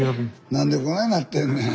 何でこないなってんねん。